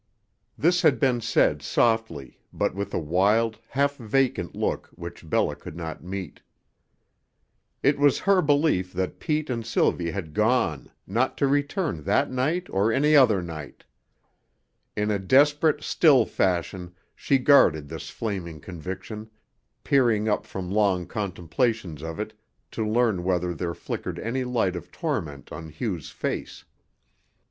This had been said softly, but with a wild, half vacant look which Bella could not meet. It was her belief that Pete and Sylvie had gone, not to return that night or any other night. In a desperate, still fashion she guarded this flaming conviction, peering up from long contemplations of it to learn whether there flickered any light of torment on Hugh's face.